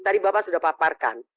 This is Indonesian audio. tadi bapak sudah paparkan